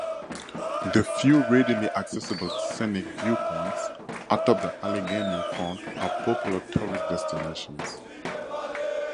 The few readily accessible scenic viewpoints atop the Allegheny Front are popular tourist destinations.